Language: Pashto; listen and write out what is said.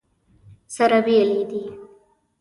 سره بېلې دي.